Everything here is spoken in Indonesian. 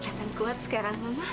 jatah kuat sekarang mama